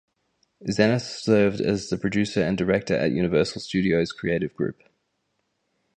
Zenas served as the producer and director at Universal Studios’ Creative Group.